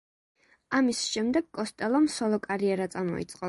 ამის შემდეგ კოსტელომ სოლო კარიერა წამოიწყო.